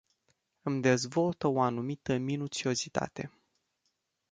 Îmi dezvoltă o anumită minuțiozitate.